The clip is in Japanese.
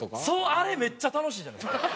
あれめっちゃ楽しいじゃないですか。